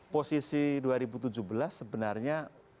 posisi dua ribu tujuh belas sebenarnya